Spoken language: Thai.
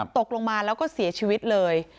ตกลงมาแล้วก็เสียชีวิตเลย